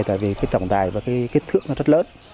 tại vì trọng tài và kích thước rất lớn